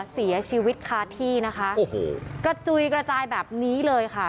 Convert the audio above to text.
เสียชีวิตคาที่นะคะโอ้โหกระจุยกระจายแบบนี้เลยค่ะ